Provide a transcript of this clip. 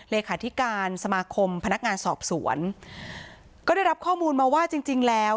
เลขาธิการสมาคมพนักงานสอบสวนก็ได้รับข้อมูลมาว่าจริงจริงแล้ว